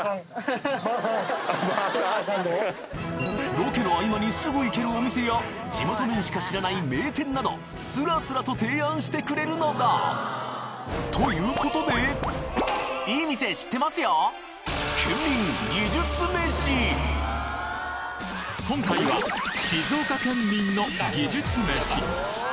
ロケの合間にすぐ行けるお店や地元民しか知らない名店などスラスラと提案してくれるのだということで今回は静岡県民の技術めし